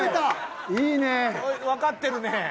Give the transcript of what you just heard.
わかってるね。